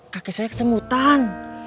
kaki saya kesemutan